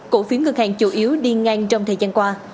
cổ phiếu ngân hàng chủ yếu đi ngang trong thời gian qua